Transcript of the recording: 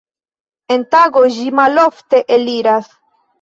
En tago ĝi malofte eliras.